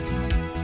jadi aku menurutku